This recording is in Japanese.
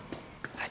はい。